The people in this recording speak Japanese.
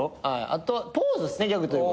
あとポーズっすねギャグというか。